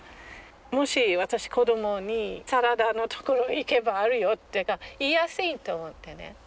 もし私子どもに「サラダの所行けばあるよ」って言いやすいと思ってね。